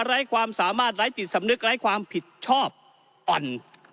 ไร้ความสามารถไร้จิตสำนึกไร้ความผิดชอบอ่อน